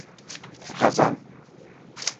غزن